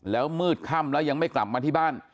แล้วมืดค่ำแล้วยังไม่กลับมาที่บ้าน